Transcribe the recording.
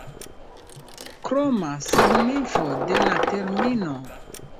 Kroma signifo de la termino.